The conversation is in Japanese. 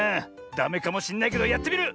ダメかもしんないけどやってみる！